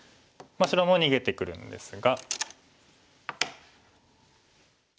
白も逃げてくるんですが。